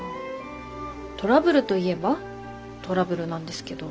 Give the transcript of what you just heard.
トラブルといえばトラブルなんですけど。